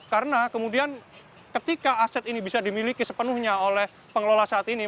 karena kemudian ketika aset ini bisa dimiliki sepenuhnya oleh pengelola saat ini